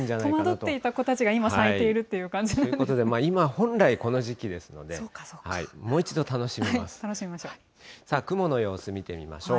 戸惑っていた子たちが今咲いているという感じなんですね。ということで、今、本来この時期ですので、もう一度楽しめま楽しみましょう。